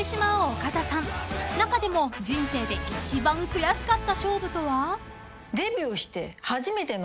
［中でも人生で一番悔しかった勝負とは？］